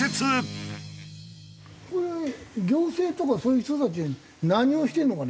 これ行政とかそういう人たち何をしてんのかね？